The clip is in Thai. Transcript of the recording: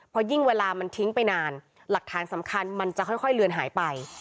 เพราะยิ่งเวลามันทิ้งไปนานหลักฐานสำคัญมันจะค่อยเลือนหายไป